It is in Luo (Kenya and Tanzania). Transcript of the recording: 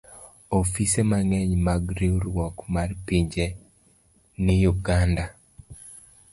Ofise mang'eny mag Riwruok mar Pinje ni Uganda.